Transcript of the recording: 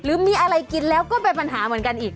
หรือมีอะไรกินแล้วก็เป็นปัญหาเหมือนกันอีก